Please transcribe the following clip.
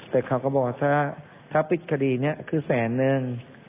แต่เขาก็บอกว่าถ้าปิดคดีนี้คือแสนนึง